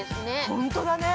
◆本当だね。